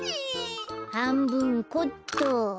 はんぶんこっと。